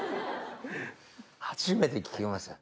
初めて聞きました。